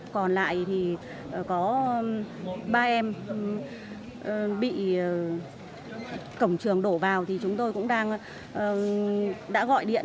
còn lại thì có ba em bị cổng trường đổ vào thì chúng tôi cũng đang gọi điện